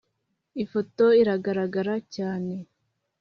ifoto iragaragara cyane